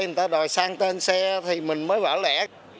người ta đòi sang tên xe thì mình mới vỡ lẻ